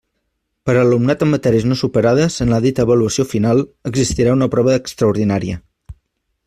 Per a l'alumnat amb matèries no superades en la dita avaluació final, existirà una prova extraordinària.